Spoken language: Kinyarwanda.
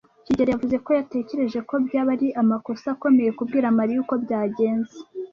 kigeli yavuze ko yatekereje ko byaba ari amakosa akomeye kubwira Mariya uko byagenze.